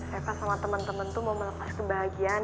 reva sama temen temen tuh mau melepas kebahagiaan